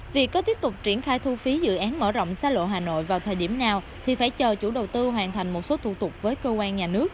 việc có tiếp tục triển khai thu phí dự án mở rộng xa lộ hà nội vào thời điểm nào thì phải chờ chủ đầu tư hoàn thành một số thủ tục với cơ quan nhà nước